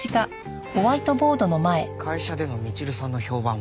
会社でのみちるさんの評判は？